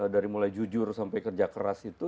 dari mulai jujur sampai kerja keras itu